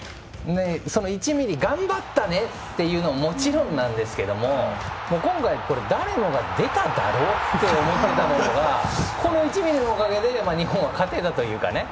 １ｍｍ、頑張ったねというのはもちろんなんですけど今回、これは誰もが出ただろうと思っていたのがこの１ｍｍのおかげで日本は勝てたというかね